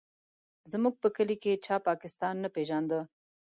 زموږ په کلي کې چا پاکستان نه پېژانده.